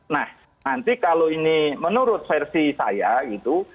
nah nanti kalau ini menurut versi saya gitu